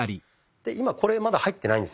で今これまだ入っていないんですよね。